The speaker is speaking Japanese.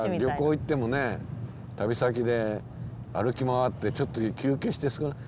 旅行行ってもね旅先で歩き回ってちょっと休憩してさ